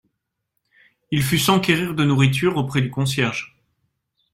Il fut s'enquérir de nourriture auprès du concierge.